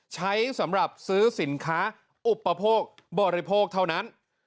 ใช้สำหรับซื้อสินค้าอุปโภคบริโภคเท่านั้น